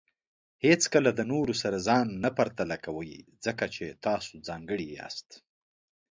هیڅکله د نورو سره ځان نه پرتله کوئ، ځکه چې تاسو ځانګړي یاست.